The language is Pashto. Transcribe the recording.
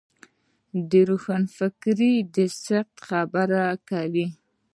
د روښانفکرۍ د سقوط خبره کوو.